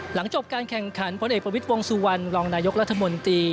หลังจบการแข่งขันพลเอกประวิทย์วงสุวรรณรองนายกรัฐมนตรี